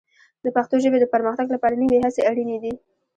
د پښتو ژبې د پرمختګ لپاره نوې هڅې اړینې دي.